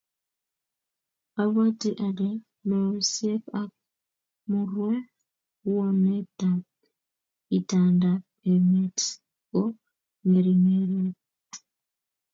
Abwati ale meosiek ak murwonetap itondap emet ko ngeringitu